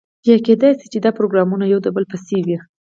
یا کیدای شي چې دا پروګرامونه یو د بل پسې وي.